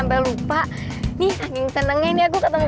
beritahukan background pas menjelaskan hal itu